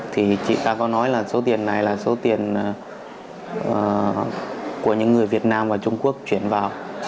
thì chị ta có nói là số tiền này là số tiền của những người việt nam và trung quốc chuyển vào